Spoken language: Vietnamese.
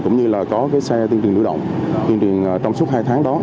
cũng như là có cái xe tuyên truyền lưu động tuyên truyền trong suốt hai tháng đó